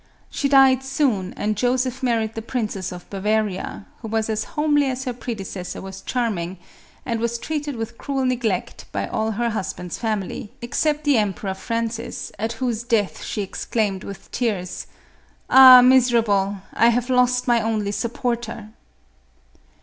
She died soon, and Joseph married the Princess of Bava ria, who was as homely as her predecessor was charming, and was treated with cruel neglect by all her husband's family, except the Emperor Francis, at whose death she exclaimed, with tears, " Ah, miserable, I have lost my only supporter."